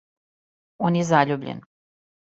Он је заљубљен.